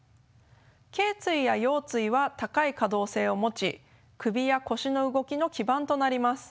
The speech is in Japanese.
けい椎や腰椎は高い可動性を持ち首や腰の動きの基盤となります。